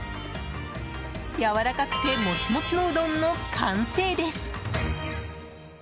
やわらかくてモチモチのうどんの完成です。